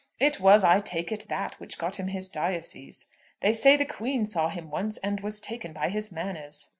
It was, I take it, that which got him his diocese. They say the Queen saw him once, and was taken by his manners.